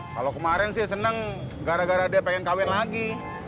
kalau kemarin sih senang gara gara dia pengen kawin lagi